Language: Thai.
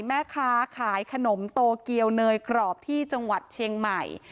แม่ค้าขายขนมโตเกียวเนยกรอบที่จังหวัดเชียงใหม่